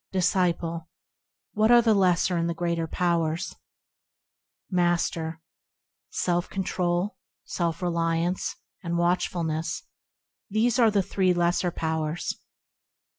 Disciple. What are the lesser and the greater powers ? Master. Self control, self reliance, and watchfulness– These are the three lesser powers.